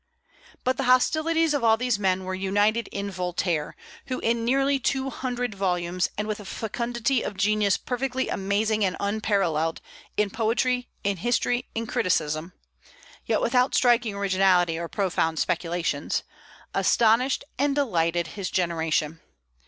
But the hostilities of all these men were united in Voltaire, who in nearly two hundred volumes, and with a fecundity of genius perfectly amazing and unparalleled, in poetry, in history, in criticism, yet without striking originality or profound speculations, astonished and delighted his generation.